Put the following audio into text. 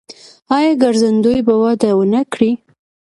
آیا ګرځندوی به وده ونه کړي؟